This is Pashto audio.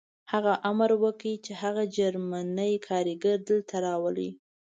هغه امر وکړ چې هغه جرمنی کارګر دلته راولئ